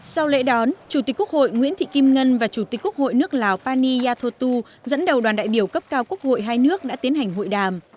sau lễ đón chủ tịch quốc hội nguyễn thị kim ngân và chủ tịch quốc hội nước lào pani yathotu dẫn đầu đoàn đại biểu cấp cao quốc hội hai nước đã tiến hành hội đàm